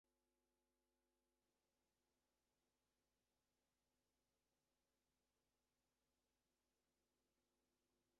Simmons ayudó a definir el personaje.